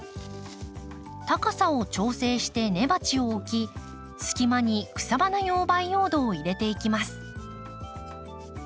高さを調整して根鉢を置き隙間に草花用培養土を入れていきます。